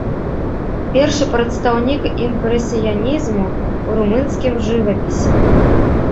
Першы прадстаўнік імпрэсіянізму ў румынскім жывапісе.